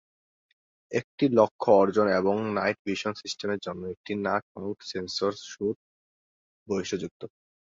এটি লক্ষ্য অর্জন এবং নাইট ভিশন সিস্টেমের জন্য একটি নাক-মাউন্ট সেন্সর স্যুট বৈশিষ্ট্যযুক্ত।